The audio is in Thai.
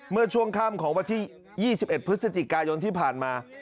เมื่อช่วงค่ำของวันที่๒๑พฤศจิกายนที่ผ่านมา